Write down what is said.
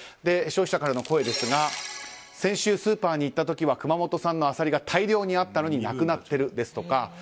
消費者からの声ですが先週スーパーに行った時は熊本産のアサリが大量にあったのになくなっているですとか